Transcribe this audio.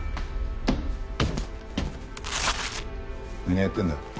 何やってんだ？